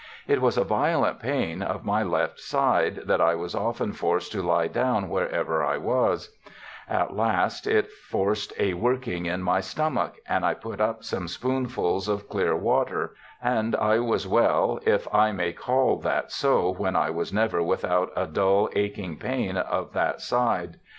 It was a violent pain of my left side, that I was often forced to lie down wherever I was ; at last it forced a working in my stomach, and I put up some spoonfuls of clear water, and I was well, if I may call that so when I was never without a dull aching pain of that side.